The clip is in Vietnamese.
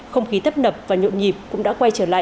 không khí tấp nập và nhộn nhịp cũng đã quay trở lại